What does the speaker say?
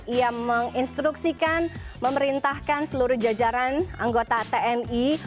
ia menginstruksikan memerintahkan seluruh jajaran anggota tni